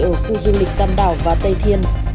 ở khu du lịch tân đảo và tây thiên